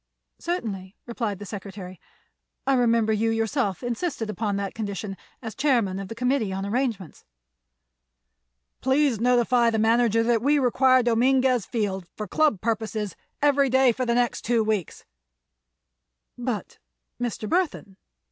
"Certainly," replied the secretary. "I remember you yourself insisted upon that condition, as chairman of the committee on arrangements." "Please notify the manager that we require Dominguez Field, for Club purposes, every day for the next two weeks." "But—Mr. Burthon!